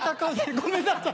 ごめんなさい。